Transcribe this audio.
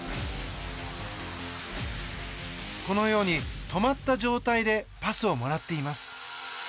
このように、止まった状態でパスをもらっています。